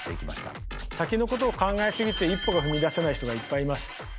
先のことを考えすぎて一歩が踏み出せない人がいっぱいいます。